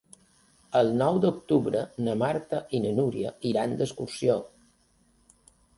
El nou d'octubre na Marta i na Nura iran d'excursió.